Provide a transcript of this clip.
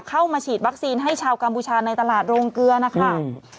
เข้ามาฉีดวัคซีนให้ชาวกัมพูชาในตลาดโรงเกลือนะคะ